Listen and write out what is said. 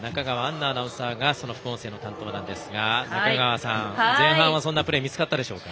奈アナウンサーが副音声の担当ですが中川さん、前半はそんなプレー見つかったでしょうか。